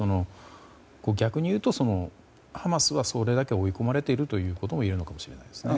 逆に言うとハマスはそれだけ追い込まれているということがいえるのかもしれないですね。